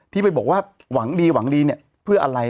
ที่ไปบอกว่าหวังดีหวังดีเนี่ยเพื่ออะไร